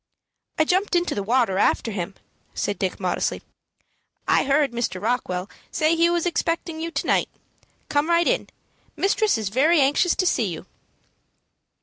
"I jumped into the water after him," said Dick, modestly. "I heard Mr. Rockwell say he was expecting you to night. Come right in. Mistress is very anxious to see you."